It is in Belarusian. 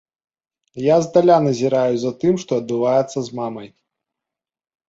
Я здаля назіраю за тым, што адбываецца з мамай.